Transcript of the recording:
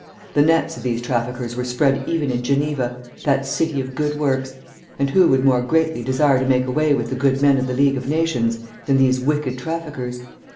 The nets of these traffickers were spread even in Geneva that city of good works and who would more greatly desire to make away with the good men of the League of Nations than these wicked traffickers?